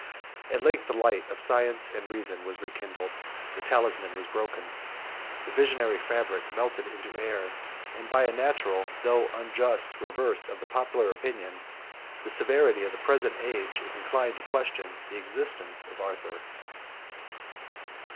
At length the light of science and reason was rekindled; the talisman was broken; the visionary fabric melted into air; and by a natural, though unjust, reverse of the public opinion, the severity of the present age is inclined to question the existence of Arthur.